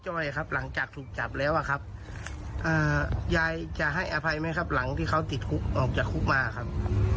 ออกมาเหมือนเดิมเลยครับไม่ไห้เลยอ่ะยายอยากให้ตำรวจตำรเอ้ย